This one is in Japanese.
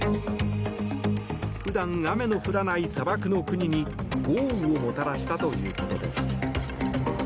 普段雨の降らない砂漠の国に豪雨をもたらしたということです。